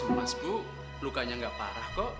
tidak usah ibu lukanya gak parah kok